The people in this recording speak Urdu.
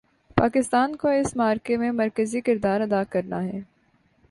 پاکستان کو اس معرکے میں مرکزی کردار ادا کرنا ہے۔